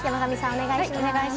お願いします。